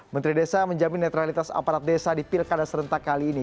menteri desa menjamin netralitas aparat desa di pilkada serentak kali ini